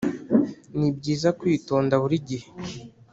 nibyiza kwitonda buri gihe